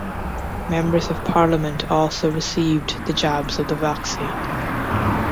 Members of Parliament also received the jabs of the vaccine.